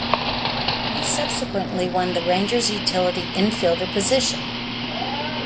He subsequently won the Rangers' utility infielder position.